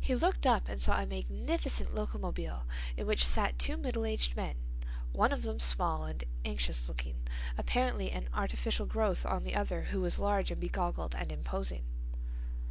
He looked up and saw a magnificent Locomobile in which sat two middle aged men, one of them small and anxious looking, apparently an artificial growth on the other who was large and begoggled and imposing.